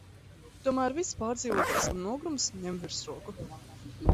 Tomēr viss pārdzīvotais un nogurums ņem virsroku.